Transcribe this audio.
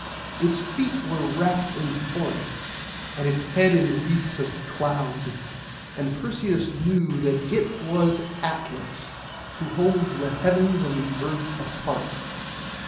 Its feet were wrapped in forests, and its head in wreaths of cloud; and Perseus knew that it was Atlas, who holds the heavens and the earth apart.